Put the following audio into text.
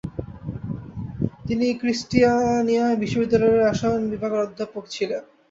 তিনি ক্রিস্টিয়ানিয়া বিশ্ববিদ্যালয়ের রসায়নের অধ্যাপক ছিলেন।